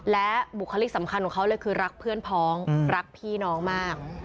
และบุคลิกสำคัญของเขาเลยคือรักเพื่อนพ้องรักพี่น้องมาก